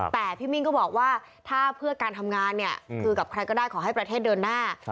แต่พี่มิ่งก็บอกว่าถ้าเพื่อการทำงานเนี่ยคือกับใครก็ได้ขอให้ประเทศเดินหน้า